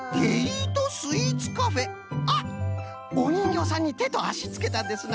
あっおにんぎょうさんにてとあしつけたんですな。